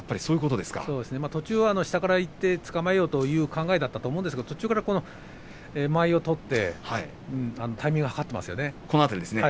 途中は下からいってつかまえようという考えだったと思うんですけれども途中から間合いを取ってタイミングを計っていますよね。